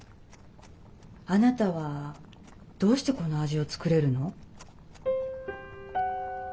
あなたはどうしてこの味を作れるの？